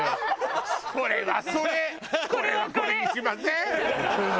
それはそれこれはこれにしません？